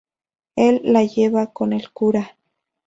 Él la lleva con el cura.